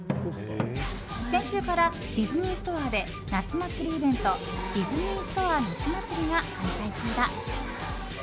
先週からディズニーストアで夏祭りイベントディズニーストア夏祭りが開催中だ。